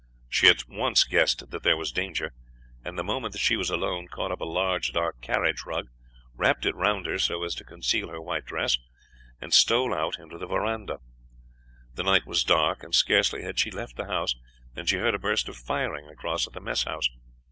She at once guessed that there was danger, and the moment that she was alone caught up a large, dark carriage rug, wrapped it round her so as to conceal her white dress, and stole out into the veranda. The night was dark, and scarcely had she left the house than she heard a burst of firing across at the mess house.